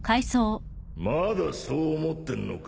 まだそう思ってんのか？